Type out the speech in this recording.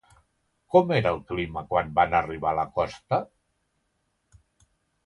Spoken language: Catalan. Com era el clima quan van arribar a la costa?